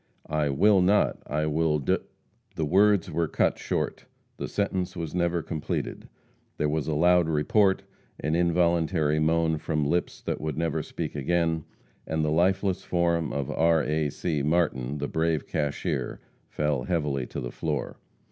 "I will not. I will d " The words were cut short. The sentence was never completed. There was a loud report, an involuntary moan from lips that would never speak again, and the lifeless form of R. A. C. Martin, the brave cashier, fell heavily to the floor.